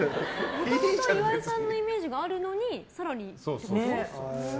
もともと岩井さんのイメージがあるのに更になんだ。